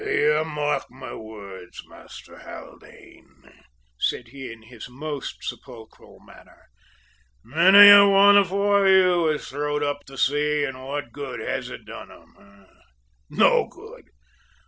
"You mark my words, Master Haldane," said he in his most sepulchral manner, "many a one afore you has throwed up the sea, and what good has it done 'em? No good!